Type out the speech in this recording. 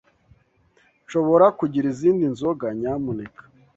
Nshobora kugira izindi nzoga, nyamuneka?